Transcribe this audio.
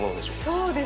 そうですよ。